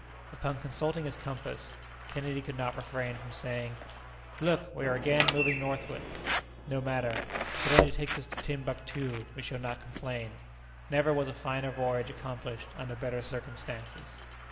Upon consulting his compass, Kennedy could not refrain from saying: "Look! we are again moving northward." "No matter; if it only takes us to Timbuctoo, we shall not complain. Never was a finer voyage accomplished under better circumstances!"